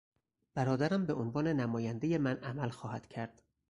برادرم به عنوان نمایندهی من عمل خواهد کرد.